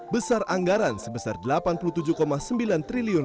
besar anggaran sebesar rp delapan puluh tujuh sembilan triliun